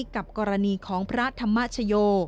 กับกรณีของพระธรรมชโย